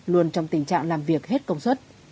luôn trong tình trạng làm việc hết công suất